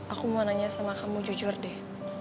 aku mau nanya sama kamu jujur deh